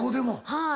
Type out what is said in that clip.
はい。